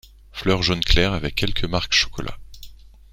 Fleur jaune clair avec quelques marques chocolat.